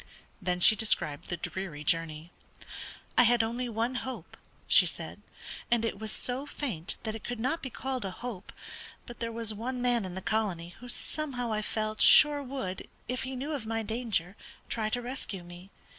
Then she described the dreary journey. "I had only one hope," she said, "and it was so faint that it could not be called a hope; but there was one man in the colony who somehow I felt sure would, if he knew of my danger, try to rescue me.